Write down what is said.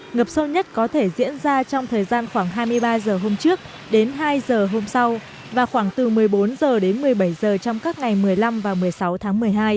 ngập sâu nhất có thể diễn ra trong thời gian khoảng hai mươi ba h hôm trước đến hai h hôm sau và khoảng từ một mươi bốn h đến một mươi bảy h trong các ngày một mươi năm và một mươi sáu tháng một mươi hai